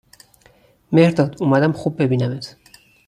مهرداد اومدم خوب ببینمت